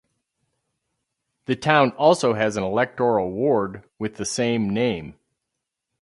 The town also has an electoral ward with the same name.